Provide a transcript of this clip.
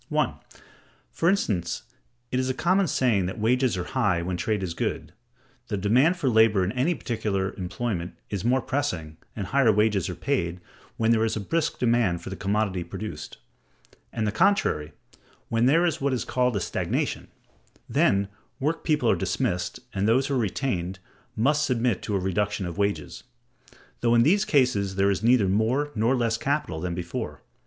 1. For instance, it is a common saying that wages are high when trade is good. The demand for labor in any particular employment is more pressing, and higher wages are paid, when there is a brisk demand for the commodity produced; and the contrary when there is what is called a stagnation: then work people are dismissed, and those who are retained must submit to a reduction of wages; though in these cases there is neither more nor less capital than before.